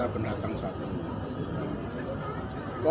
ada penjahat orang biak ada pendatang satu